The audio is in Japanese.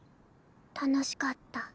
楽しかった。